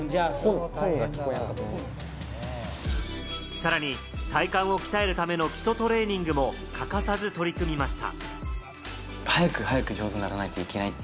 さらに体幹を鍛えるための基礎トレーニングも欠かさず取り組みました。